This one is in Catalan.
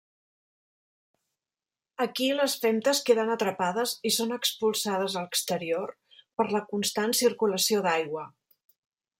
Aquí, les femtes queden atrapades i són expulsades a l'exterior per la constant circulació d'aigua.